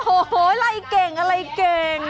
โอ้โฮอะไรเก่ง